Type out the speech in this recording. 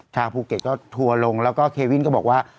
ภูเก็ตก็ทัวร์ลงแล้วก็เควินก็บอกว่า